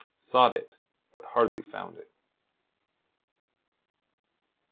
Sought it, but hardly found it.